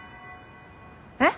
えっ？